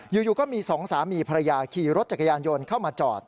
อยู่ก็มีสองสามีภรรยาขี่รถจักรยานยนต์เข้ามาจอด